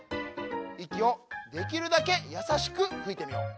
いきをできるだけやさしくふいてみよう。